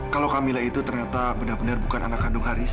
kalau kamila itu ternyata benar benar bukan anak kandung haris